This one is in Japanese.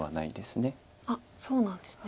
あっそうなんですね。